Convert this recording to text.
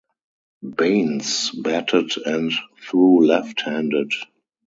Baines batted and threw left-handed.